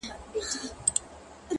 زه تر هغه گړيه روح ته پر سجده پرېوځم!